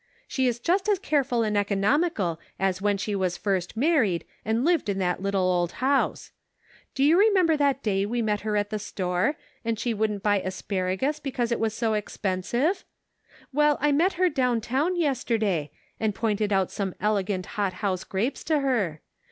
She is just as careful and economical as when she was first married and lived in that old little house. Do you remember that day we met her at the store, and she wouldn't buy asparagus because it was so expensive ? Well, I met her down town yesterday, and pointed out some elegant hot house grapes to her.